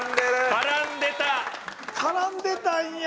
絡んでたんや。